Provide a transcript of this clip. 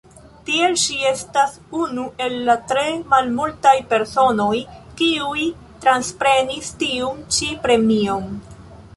Tiel ŝi estas unu el la tre malmultaj personoj, kiuj transprenis tiun ĉi premion.